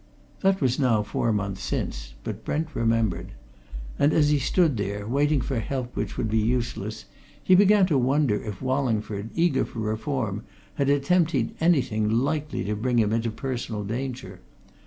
That was now four months since, but Brent remembered. And as he stood there, waiting for help which would be useless, he began to wonder if Wallingford, eager for reform, had attempted anything likely to bring him into personal danger.